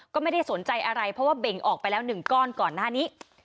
ก็ไม่ได้สนใจอะไรเพราะว่าเบ่งออกไปแล้ว๑ก้อนก่อนหน้านี้